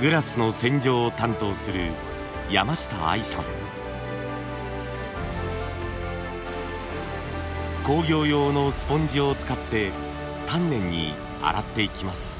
グラスの洗浄を担当する工業用のスポンジを使って丹念に洗っていきます。